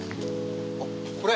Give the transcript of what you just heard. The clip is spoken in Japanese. あっこれ？